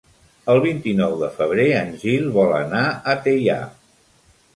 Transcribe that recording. El vint-i-nou de febrer en Gil vol anar a Teià.